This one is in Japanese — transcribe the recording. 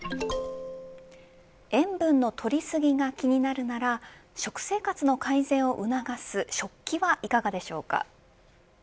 塩分の取りすぎが気になるなら食生活の改善を促す食器はいかがでしょうか。